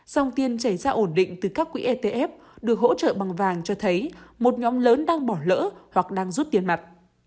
dòng tiền chảy ra ổn định từ các quỹ etf được hỗ trợ bằng vàng cho thấy một nhóm lớn đang bỏ lỡ hoặc đang rút tiền mặt